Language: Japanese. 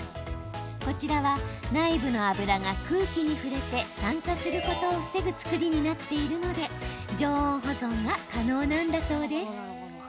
こちらは内部の油が空気に触れて酸化することを防ぐ作りになっているので常温保存が可能なんだそうです。